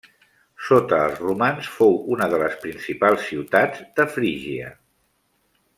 Sota els romans fou una de les principals ciutats de Frígia.